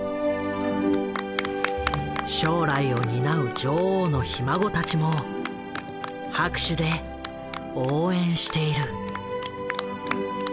将来を担う女王のひ孫たちも拍手で応援している。